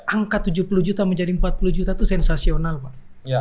angka tujuh puluh juta menjadi empat puluh juta itu sensasional pak